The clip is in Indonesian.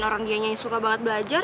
orang dianya yang suka banget belajar